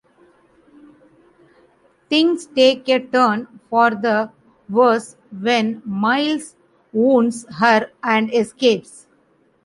Things take a turn for the worse when Miles wounds her and escapes.